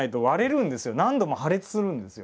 何度も破裂するんですよ。